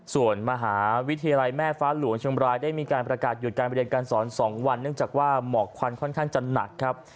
ส่วนมหาวิทยาลัยแม่ฟ้าหลวงเชียงบรายได้มีการประกาศหยุดการเรียนการสอน๒วันเนื่องจากว่าหมอกควันค่อนข้างจะหนักครับ